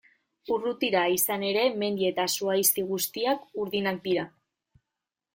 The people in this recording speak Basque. Urrutira, izan ere, mendi eta zuhaizti guztiak urdinak dira.